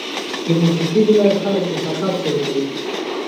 د موسیقۍ له لارې خلک احساسات شریکوي.